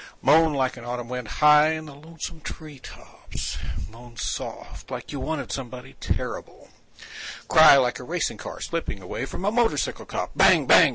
Moan like an autumn wind high in the lonesome tree tops, moan soft like you wanted somebody terrible, cry like a racing car slipping away from a motorcycle cop, bang bang!